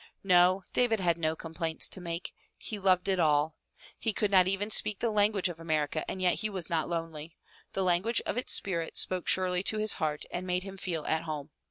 No, David had no complaints to make. He loved it all. He could not even speak the language of America and yet he was not lonely; the language of its spirit spoke surely to his heart and made him feel at home.